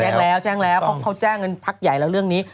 แจ้งแล้วแจ้งแล้วเพราะเขาแจ้งกันพักใหญ่แล้วเรื่องนี้